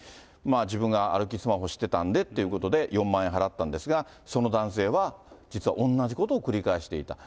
自分が歩きスマホしてたんでっていうことで、４万円払ったんですが、その男性は、実は同じことを繰り返していた。